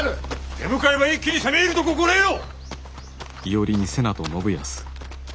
手向かえば一気に攻め入ると心得よ！